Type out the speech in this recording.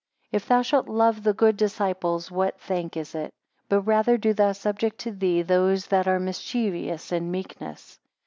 7 If thou shalt love the good disciples, what thank is it? But rather do thou subject to thee those that are mischievous, in meekness.